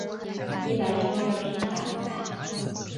一百六十个披萨